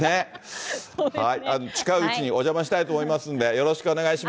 近いうちにお邪魔したいと思いますんで、よろしくお願いしま